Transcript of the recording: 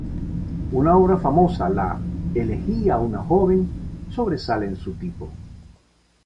Una obra famosa, la "Elegía a una Joven", sobresale en su tipo.